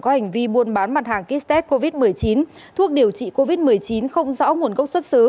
có hành vi buôn bán mặt hàng kit test covid một mươi chín thuốc điều trị covid một mươi chín không rõ nguồn gốc xuất xứ